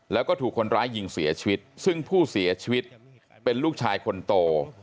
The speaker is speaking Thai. แล้วก็ถูกคนร้ายยิงเสียชีวิตซึ่งผู้เสียชีวิตเป็นลูกชายคนโต